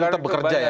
jadi tetap bekerja ya